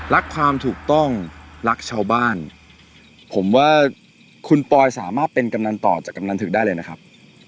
ความถูกต้องรักชาวบ้านผมว่าคุณปอยสามารถเป็นกำนันต่อจากกำนันถึงได้เลยนะครับ